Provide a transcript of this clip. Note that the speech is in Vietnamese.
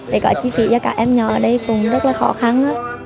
để có chi phí cho các em nhỏ ở đây cũng rất là khó khăn hơn